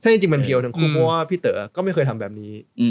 จริงมันเพียวทั้งคู่เพราะว่าพี่เต๋อก็ไม่เคยทำแบบนี้